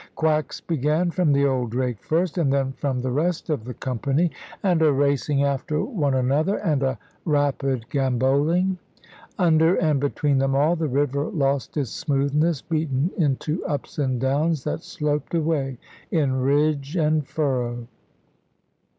Quacks began, from the old drake first, and then from the rest of the company, and a racing after one another, and a rapid gambolling. Under and between them all, the river lost its smoothness, beaten into ups and downs that sloped away in ridge and furrow.